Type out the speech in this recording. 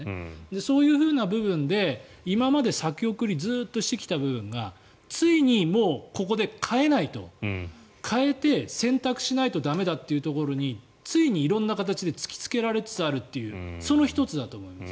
そういう部分で今まで先送りしていた部分がついにここで変えないと変えて選択しないと駄目だという部分についに色んな形で突きつけられつつあるというその１つだと思います。